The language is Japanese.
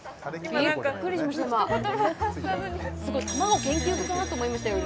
今すごい卵研究家かなと思いましたよ